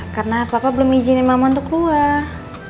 karena papa belum izinin mama untuk keluar